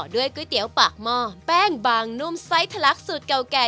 ก๋วยเตี๋ยวปากหม้อแป้งบางนุ่มไซส์ทะลักสูตรเก่าแก่